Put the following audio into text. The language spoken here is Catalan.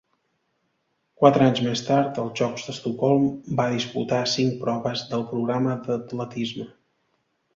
Quatre anys més tard, als Jocs d'Estocolm, va disputar cinc proves del programa d'atletisme.